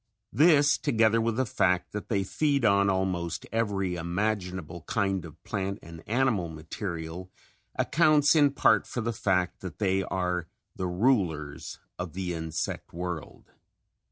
This, together with the fact that they feed on almost every imaginable kind of plant and animal material, accounts in part for the fact that they are the rulers of the insect world.